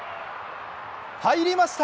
入りました！